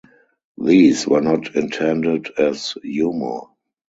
These were not intended as humour.